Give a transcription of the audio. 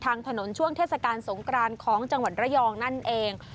ทางถนนช่วงเทศกาลสงกรานของจังหวัดระยองนั่นเอง